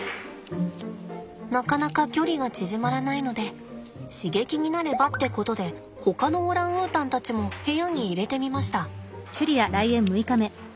なかなか距離が縮まらないので刺激になればってことでほかのオランウータンたちも部屋に入れてみました。